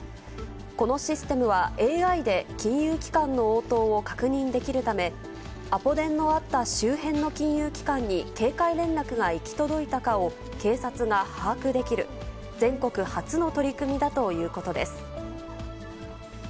このシステムはＡＩで金融機関の応答を確認できるため、アポ電のあった周辺の金融機関に警戒連絡が行き届いたかを警察が把握できる、全国初の取り組みだということです。